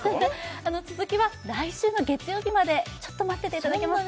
続きは来週の月曜日まで待ってていただけますか